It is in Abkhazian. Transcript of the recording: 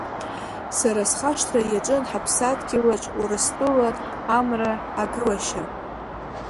Сара схашҭра иаҿын Ҳаԥсадгьылаҿ, Урыстәылан, амра агылашьа.